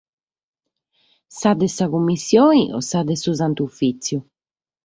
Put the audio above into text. Sa de sa cummissione o sa de su Santu Ufìtziu?